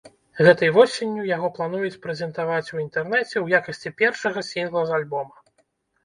Гэтай восенню яго плануюць прэзентаваць у інтэрнэце ў якасці першага сінгла з альбома.